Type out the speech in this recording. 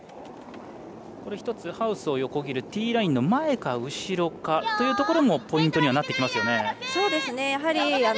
１つ、ハウスを横切るティーラインの前か後ろかというところもポイントにはなってきますね。